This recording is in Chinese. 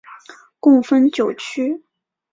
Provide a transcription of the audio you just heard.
共分九区。